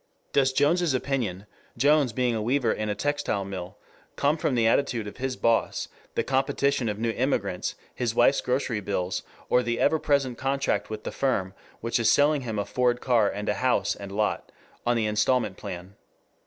Does Jones's opinion, Jones being a weaver in a textile mill, come from the attitude of his boss, the competition of new immigrants, his wife's grocery bills, or the ever present contract with the firm which is selling him a Ford car and a house and lot on the instalment plan?